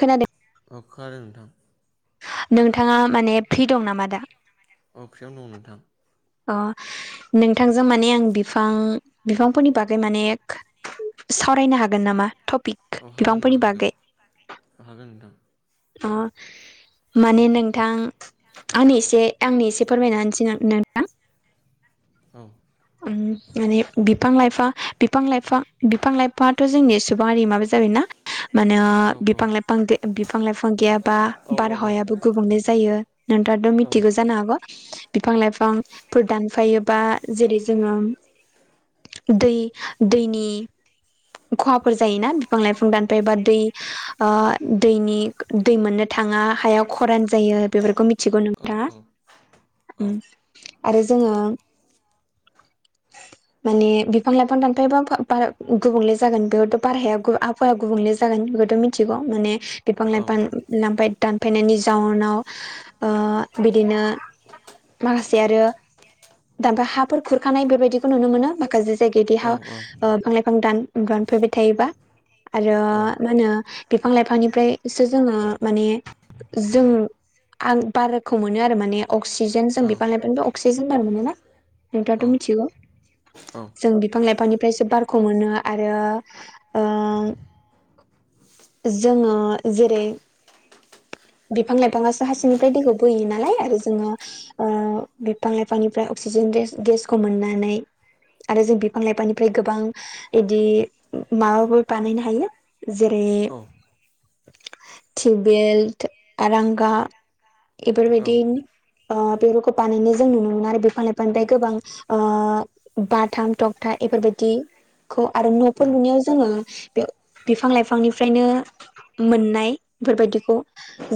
खोनादों। अ खोनादों नोंथां। माने नोंथाङा फ्रि दं नामा दा माने [unintelligible] अ नोंथांजों माने आं बिफां बिफांफोरनि बागै माने सावरायनो हागोन नामा टपिक औ हागोन नोंथां बिफांफोरनि हागोन बागै हागोन नोंथां। आ माने नोंथां आंनि एसे आंनि एसे फोरमायना होनोसै नोंथां। औ। माने बिफां लाइफां बिफां लाइफां बिफां लाइफाङाथ' जोंनि सुबुंयारि माबा जाबाय ना। मानो औ बिफां लाइफां बिफां लाइफां गैयाबा औ बारहावायाबो गुबुंले जायो। नोंथाङाथ' मिथिगौ जानो हागौ बिफां लाइफांफोर दानफायोबा जेरै जोङो दै दैनि खहाफोर जायोना बिफां लाइफां दानफायबा दै ओ दैनि दै मोननो थाङा हाया खरान जायो बेफोरखौ मिथिगौ नोंथाङा। [inaudible] औ आरो जोङो माने बिफां लाइफां [unintelligible] गुबुंले जागोन बेयावथ' बारहाया [unintelligible] गुबुंले जागोन बेखौथ' मिथिगौ माने बिफां लाइफां [unintelligible] दानफायनायनि जाउनाव ओ बिदिनो माखासे आरो औ दामफा औ हाफोरखौ थाखानाय बेबायदिखौ नुनो मोनो माखासे [unintelligible] ओ फां लाइफां दान दानफायबाय थायोबा आरो मा होनो बिफां लाइफांनिफ्रायसो जोङो माने जों आं बारखौ मोनो आरो माने अक्सिजेन जों बिफां लाइफांनिफ्राय अक्सिजेन बार मोनो ना नोंथाङाथ' मिथिगौ। जों बिफां लाइफांनिफ्रायसो बारखौ मोनो आरो ओ जोङो जेरै बिफां लाइफाङासो हासिंनिफ्राय दैखौ बोयो नालाय आरो जोङो ओ बिफां लाइफांनिफ्राय अक्सिजेन [unintelligible] गेसखौ मोननानै आरो जों बिफां लाइफांनिफ्राय गोबां इदि माबाबो बानायनो हायो जेरै टिउ बेल्ट आरांगा। इफोरबायदि ओ बेफोरखौ बानायनाय जों नुनो मोनो आरो बिफां लाइफांनिफ्राय गोबां ओ बाथाम थगथा इफोरबायदि खौ आरो न'फोर लुनायाव जोङो बे बिफां लाइफांनिफ्रायनो मोननाय फोरबायदिखौ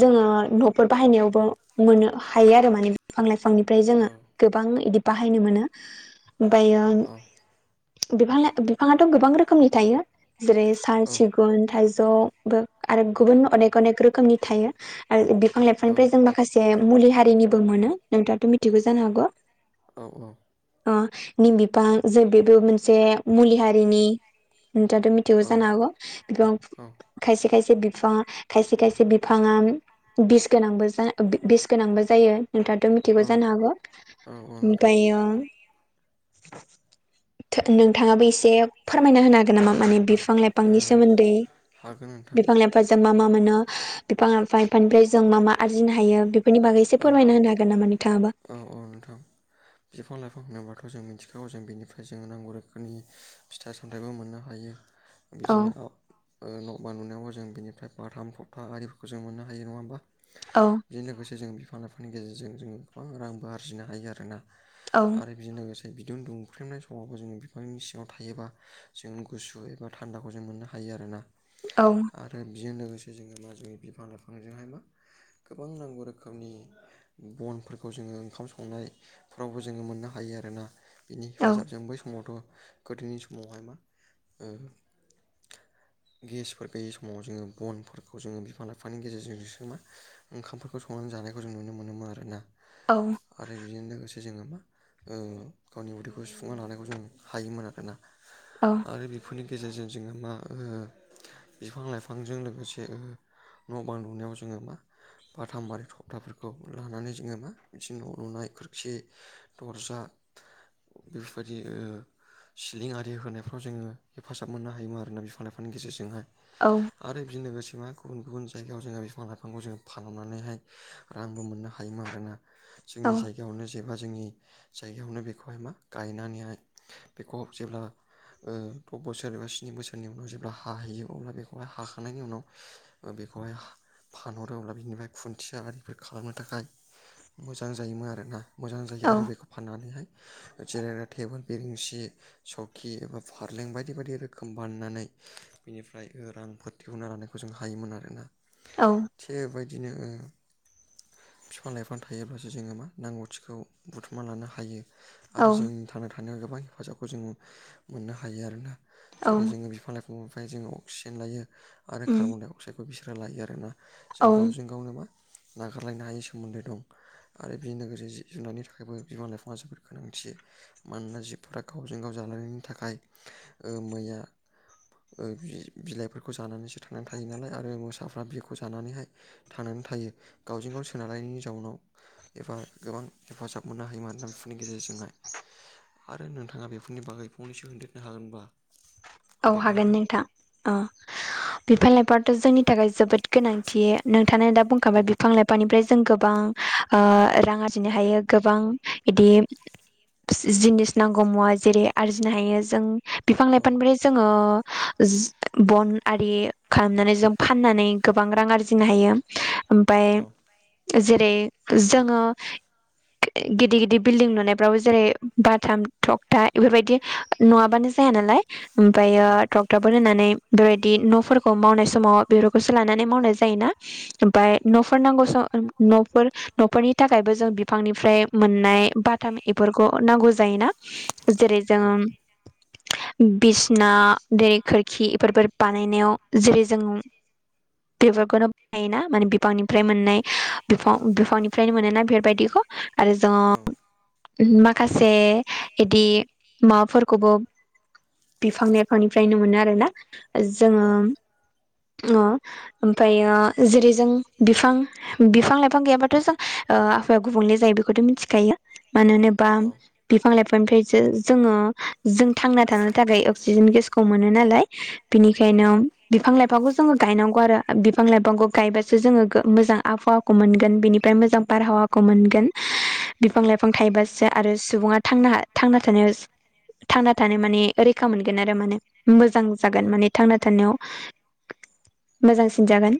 जोङो न'फोर बाहायनायावबो मोननो हायो आरो माने बिफां लाइफांनिफ्राय जोङो गोबां इदि बाहायनो मोनो। ओमफायो बिफां बिफाङाथ' गोबां रोखोमनि थायो। जेरै साल सिगुन थाइजौबो आरो गुबुन अनेक अनेक रोखोमनि थायो आरो बिफां लाइफांनिफ्राय जों माखासे मुलि हारिनिबो मोनो नोंथाङाथ' मिथिगौ जानो हागौ औ औ अ निम बिफां जे बेबो मोनसे मुलि हारिनि नोंथाङाथ' मिथिगौ औ औ जानो हागौ [unintelligible] खायसे खायसे बिफाङा खायसे खायसे बिफाङा बिस गोनांबो जा बिस गोनांबो जायो नोंथाङाथ' मिथिगौ जानो हागौ नोंथां ओमफायो [unintelligible] थो नोंथाङाबो एसे फोरमायना होनो हागोन नामा माने बिफां ओ लाइफांनि सोमोन्दै? हागोन नोंथां [unintelligible] मा मा मोनो बिफां [unintelligible] जों मा मा आरजिनो हायो बेफोरनि बागै एसे औ फोरमायना होनो हागोन नामा नोंथाङाबो औ औ नोंथां बिफां लाइफां होनोब्लााथ' जों मिथिखागौ जों बेनिफ्राय जों नांगौ रोखोमनि फिथाइ सामथाइबो मोननो हायो बिदिनो औ ओ न' बां लुनायावबो जों बिनिफ्राय बाथाम थखथा आरिफोरखौ जों मोननो हायो नङा होमबा औ बेजों लोगोसे जों बिफां लाइफांनि गेजेरजों जोङो गोबां रांबो आरजिनो हायो आरोना औ आरो बेजों लोगोसे बिदुं दुंफ्लेनाय समावबो जोङो बिफांनि सिङाव थायोबा जों गुसुवै ओ थान्दाखौ जों मोननो हायो आरो ना औ आ ओ बिजों लोगोसे जोङो मा जोंनि बिफां लाइफांजोंहाय मा गोबां नांगौ रोखोमनि बनफोरखौ जोङो ओंखाम संनाय फ्रावबो जोङो मोननो हायो आरोना बिनि औ हेफाजाबजों बै समावथ' गोदोनि समावहाय मा ओ [inaudible] गेसफोर गैयै समाव जोङो बनफोरखौ जोङो बिफां लाइफांनि गेजेरजोंसो मा ओंखामफोरखौ संनानै जानायखौ जों नुनो मोनोमोन आरोना औ आरो बिजों लोगोसे जोङो मा ओ गावनि उदैखौ सुफुंना लानायखौ जों हायोमोन आरोना औ आरो बेफोरनि गेजेरजों जोङो मा ओ बिफां लाइफांजों लोगोसे ओ न' बां लुनायाव जोङो मा बाथाम आरि थखथाफोरखौ लानानै जोङो मा बिदि न' लुनाय खि दरजा बेफोरबायदि ओ सिलिं आरि होनायफ्राव जोङो हेफाजाब मोननो हायोमोन आरोना बिफां लाइफांनि गेजेरजोंहाय औ आरो बिजों लोगोसे मा गुबुन गुबुन जायगायाव जोङो बिफां लाइफांखौ जों फानहरनानैहाय रांबो मोननो हायोमोन आरोना जोंनि जाय गायावनो जेनेबा जोंनि जायगायावनो बेखौहाय मा गायनानैहाय बेखौ जेब्ला ओ द' बोसोर एबा स्नि बोसोरनि उनाव जेब्ला हाहैयो अब्ला बेखौहाय हाखांनायनि उनाव ओ बेखौहाय फानहरो अब्ला बिनिफ्राय खुन्थियाबारिफोर खालामनो थाखाय मोजां जायोमो आरोना मोजां जायो औ आरो बेखौ फाननानैहाय ओ जेरायग्रा टेबोल बिरेंसि सखि एबा फारलें बायदि बायदि रोखोम बानायनानै बेनिफ्राय ओ रांफोर दिहुनना लानायखौ जों हायोमोन आरोना औ थिग बेबायदिनो ओ फिफां लाइफां थायोब्लासो जोङो मा नांगौथिखौ बुथुमना लानो हायो औ आरो जों थांना थानायाव गोबां हेफाजाबखौ जोङो मोननो हायो आरोना औ जेरै जोङो बिफां लाइफां निफ्राय जोङो अक्सिजेन लायो आरो उम कार्बनडाइ अक्साइडखौ बिसोरो लायो आरोना जों औ गावजों गावनो मा नागारलायनो हायै सोमोन्दो दं आरो बि नोगोरजों जिब जुनारनि थाखायबो बिमा लाइफाङा जोबोद गोनांथि मानोना जिबफोरा गावजों गाव जालायनायनि थाखाय ओ मैया ओ बि-बिलाइफोरखौ जानानैसो थांनानै थायो नालाय आरो मोसाफ्रा बेखौ जानानैहाय थांनानै थायो गावजों गाव सोनारनायनि जाउनाव एबा गोबां हेफाजाब मोननो हायोमोन बेफोरनि गेजेरजोंहाय आरो नोंथाङा बेफोरनि बागै फंनैसो होनदेरनो हागोनबा औ हागोन नोंथां अ बिफां लाइफथ' जोंनि थाखाय जोबोद गोनांथि नोंथाङा दा औ बुंखाबाय बिफां लाइफ फांनिफ्राय जों गोबां ओ रां आरजिनो हायो गोबां बिदि जिनिस नांगौ मुवा जेरै आरजिनो हायो जों बिफां औ लाइफांनिफ्राय जोङो बन आरि खालामनानै जों फाननानै गोबां रां आरजिनो हायो औ ओमफ्राय जेरै जोङो गिदिर गिदिर बिल्डिं लुनायफ्रावबो जेरै बाथाम थखथा बेफोरबायदि नङाबानो जाया नालाय ओमफ्रायो थख दाबलहोनानै बेबायदि न'फोरखौ मावनाय समाव बेफोरखौसो लानानै मावनाय जायोना ओमफ्राय न'फोर नांगौ सम न'फोर न'खरनि थाखायबो जों बिफांनिफ्राय मोननाय बाथाम बेफोरखौ नांगौ जायोना जेरै औ जोंङो बिस ना देरै खोरखि बेफोरफोर बानायनायाव जेरै जों बेफोरखौनो बेना माने बिफांनिफ्राय मोननाय बिफां बिफांनिफ्रायनो मोनोना बेफोरबायदिखौ औ आरोद' माखासे इदि माबाफोरखौबो बिफां लाइफांनिफ्रायनो मोनो आरोना जोङो औ ओ ओमफ्रायो जेरै जों बिफां बिफां लाइफां गैयाबा थ'जों ओ आफहावाया गुबुंले जायो बेखौथ' मिथिखायो मानो होनोबा औ बिफां लाइफांनिफ्रायसो जोङो जों थांना थानो थाखाय अक अक्सिजेन गेसखौ मोनो नालाय औ बिनिखायनो बिफां लाइफांखौ जोङो गायनांगौ आरो बिफां लाइफांखौ गायबासो जोङो गो मोजां आबहावा खौ मोनगोन बेनिफ्राय मोजां बारहावाखौ मोनगोन औ बिफां लाइफां थायोबासो आरो सुबुङा थांना थांना थानाय थांना थानो माने रैखा मोनगोन आरो माने मोजां जागोन औ माने थांना थानायाव मोजांसिन जागोन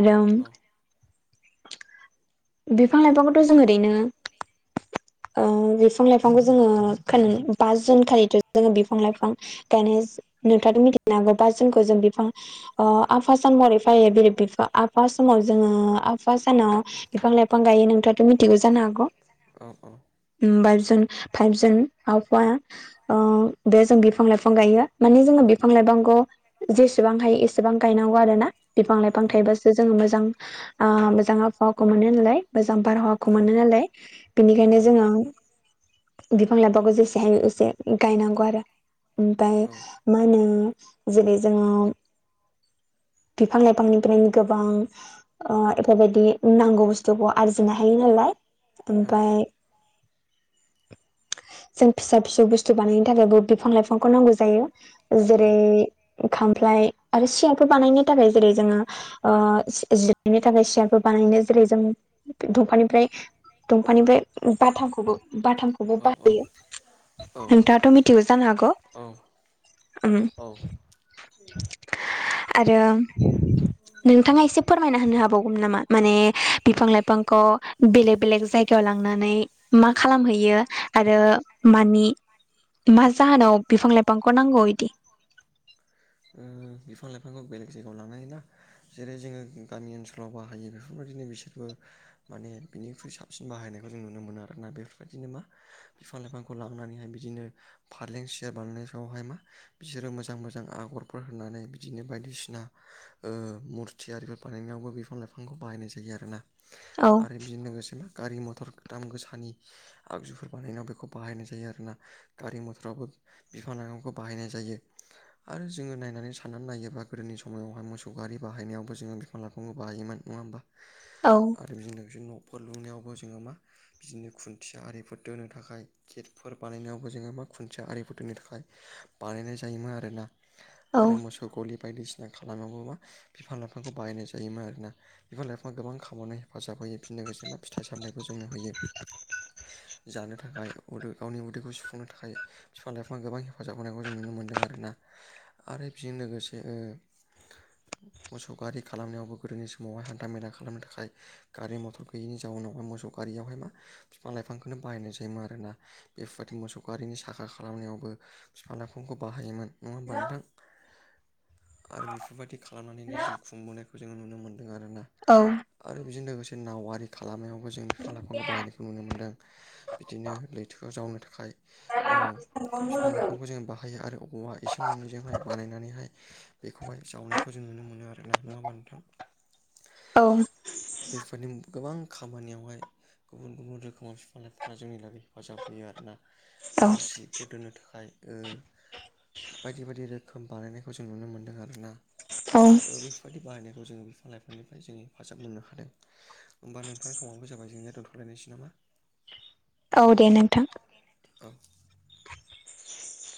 आरो औ बिफां लाइफांखौथ' जों ओरैनो ओ बिफां लाइफांखौ जोङो खोन बा जुन खालिथ' जों बिफां लाइफां गायनो नोंथाङाथ' मिथिगौना ओमफाय बा जुनखौ जों बिफां अ आफा सान महरै फालियो बेरै बिफा आफा समाव जोङो आफा सानाव बिफां लाइ फां गायो नोंथांआथ' मिथिगौ जानो हागौ अ अ होमबा जों फाइभ जुन आबहावा ओ बे जों बिफां लाइफां गायो माने जोङो बिफां लाइफांखौ जेसेबां हायो एसेबां गायनांगौ आरोना बिफां लाइफां थायोबासो जोङो मोजां आ मोजां आबहावाखौ मोनो नालाय मोजां बारहावा खौ मोनो नालाय बिनिखायनो औ औ जोङो बिफां लाइफाखौ जेसे हायो एसे गायनांगौ आरो ओमफाय औ मा होनो जेरै जोङो बिफां लाइफांनिफ्रायनो गोबां ओ एफोरबायदि नांगौ बुस्थुखौ आरजिनो हायो नालाय औ ओमफाय। जों फिसा फिसौ बुस्थु बानायनो थाखायबो बिफां लाइफांखौ नांगौ जायो। जेरै खामफ्लाय आरो सियारफोर बानायनो थाखाय जेरै जोङो। ओ जि-जिरायनो थाखाय सियारबो बानायनो जेरै जों दंफानिफ्राय दंफांनिफ्राय बाथामखौबो बाथामखौबो औ औ बाहयो नोंथाङाथ' मि थियो जानो हागौ उ [inaudible] आरो नोंथाङा एसे फोरमायना होनो हाबावगौमोन नामा माने बिफां-लाइफांखौ बेलेग बेलेक जायगायाव लांनानै मा खालामहैयो आरो मानि मा जाहोनाव बिफां-लाइफांखौ नांगौ बिदि बिफां-लाइफांखौ बेलेग जायगायाव लांनो हला जेरै जोङो गामि ओनसोलाव बाहायो बेफोरबायदिनो बिसोरबो माने बिनिख्रुइ साबसिन बाहायनायखौ जों नुनो मोनो आरोना बेफोरबायदिनो मा बिफां-लाइफांखौ लांनानैहाय बिदिनो फालें सियार बानायनाय समावहाय मा बिसोरो मोजां मोजां आगरफोर होनानै। बिदिनो बायदिसिना ओ मुरथि आरिफोर बानायनायावबो बिफां लाइफांखौ बाहायनाय जायो आरोना। औ आरो बेजों लोगोसे गारि मथर दाम गोसानि आगजुफोर बानायनायाव बेखौ बाहायनाय जायो आरोना गारि मथरावबो। बिफां-लाइफांखौ बाहायनाय जायो आरो जोङो नायनानै सान्नानै नायोबा गोदोनि समावहाय मोसौ गारि बाहायनायावबो जोङो बिफां-लाइफांनो बाहायोमोन नङा होमबा। औ आरो बे लोगोसे न'फोर लुंनायावबो जोङो मा बिदिनो खुन्थिया आरिफोर दोननो थाखाय गेटफोर बानायनायावबो जोङो मा खुन्थिया आरिफोर दोननो थाखाय बानायनाय जायोमोन आरोना औ आरो मोसौ गलि बायदिसिना खालामाबो मा बिफां-लाइफांखौ बायनाय जायोमोन आरोना। बिफां-लाइफां गोबां खामनो हेफाजाब होयो बेनो लोगोसे फिथाइ-सामनायखौ जोंनो होयो। [inaudible] जानो थाखाय उदो उदै गावनि उदैखौ सुफुंनो थाखाय बिफां-लाइफाङा गोबां हेफाजाब होनायखौ जों नुनो मोनदों आरो ना। आरो बेजों लोगोसे ओ [inaudible] मोसौ गारि खालामनायावबो गोदोनि समावहाय हान्था मेला खालामनो थाखाय गारि मटर गैयिनि जाउनावहाय मोसौ गारियावहाय मा बिफां-लाइफांखौनो बायनाय जायोमोन आरोना बेफोरबायदि मोसौ गिरिनि साखा खालामनायावबो। बिफां-लाइफांखौ बाहायोमोन नङा होमबा नोंथां? आरो बेफोरबायदि खालामनानैनो जिउ खुंबोनायखौ जोङो नुनो मोन्दों आरोना। औ आरो बेजों लोगोसे नावआरि खालामनायावबो जों बिफां-लाइफांखौ बाहायनायखौ नुनो मोनदों। बिदिनो लैथोआव जावनो थाखाय ओ बिफां-लाइफांखौ जोङो बाहायो आरो बबावहाय इसोर मोनैजों हाय बानायनानैहाय बेखौहाय जावनायखौ जों नुनो मोनो आरोना नङाहोनबा नोंथां। औ बेफोरनि गोबां खामानियावहाय गुबुन गुबुन रोखोमाव बिफां-लाइफांङा जोंनि थाखायै हेफाजाब होयो आरोना। औ आरो जिफोर दोननो थाखाय ओ बायदि बायदि रोखोम बानायनायखौ जों नुनो मोन्दों आरो ना। औ ओ बेफोरबायदि बाहायनायखौ जोङो बिफां-लाइफांनिफ्राय जोङ हेफाजाब मोननो हादों। होमबा नोंथांनि समावबो जाबाय जेंनाया दोनथ'लायनोसै नामा? औ दे नोंथां। औ